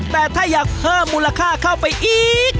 แต่ถ้าอยากเพิ่มมูลค่าเข้าไปอีก